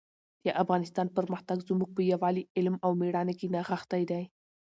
د افغانستان پرمختګ زموږ په یووالي، علم او مېړانه کې نغښتی دی.